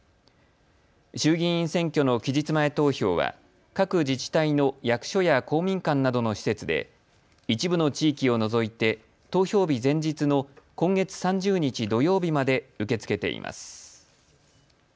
衆議院選挙の期日前投票は各自治体の役所や公民館などの施設で一部の地域を除いて投票日前日の今月３０日土曜日まで受け付けています。